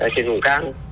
trên vùng can